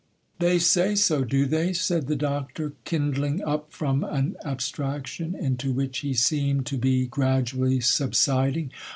'They say so, do they?' said the Doctor, kindling up from an abstraction into which he seemed to be gradually subsiding.